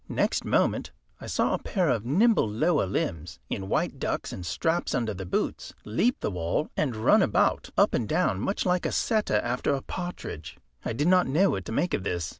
Next moment I saw a pair of nimble lower limbs, in white ducks and straps under the boots, leap the wall, and run about, up and down, much like a setter after a partridge. I did not know what to make of this.